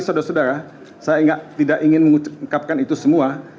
saya tidak ingin mengungkapkan itu semua